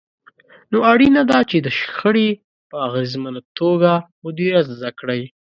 نو اړينه ده چې د شخړې په اغېزمنه توګه مديريت زده کړئ.